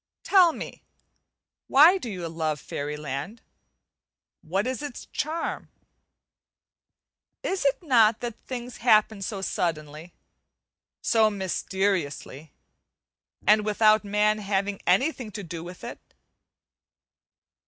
Tell me, why do you love fairy land? what is its charm? Is it not that things happen so suddenly, so mysteriously, and without man having anything to do with it?